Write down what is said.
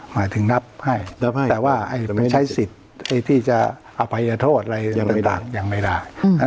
หมายถึงนับให้แต่ว่าไม่ใช้สิทธิ์ที่จะอภัยโทษอะไรยังไม่ได้